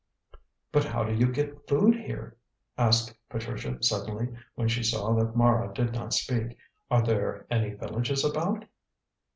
"But how do you get food here?" asked Patricia suddenly, when she saw that Mara did not speak; "are there any villages about?"